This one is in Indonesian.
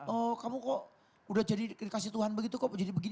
oh kamu kok udah jadi dikasih tuhan begitu kok jadi begini